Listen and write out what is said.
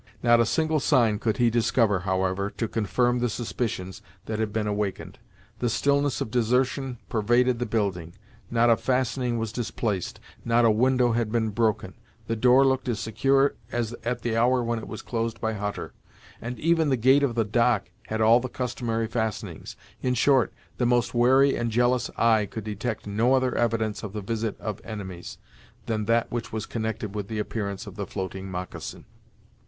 Not a single sign could he discover, however, to confirm the suspicions that had been awakened. The stillness of desertion pervaded the building; not a fastening was displaced, not a window had been broken. The door looked as secure as at the hour when it was closed by Hutter, and even the gate of the dock had all the customary fastenings. In short, the most wary and jealous eye could detect no other evidence of the visit of enemies, than that which was connected with the appearance of the floating moccasin.